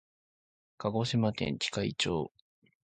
鹿児島県喜界町